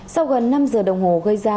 sau gần năm giờ đồng hồ gây ra